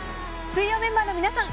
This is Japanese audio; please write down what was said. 水曜メンバーの皆さん